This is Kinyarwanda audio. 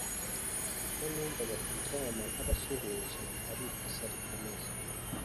kuko numvaga kuryama ntabasuhuje ari ikosa rikomeye,